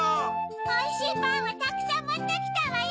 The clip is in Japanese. おいしいパンをたくさんもってきたわよ！